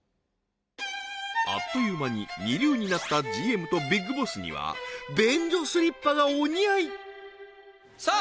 あっという間に二流になったＧＭとビッグボスには便所スリッパがお似合いさあ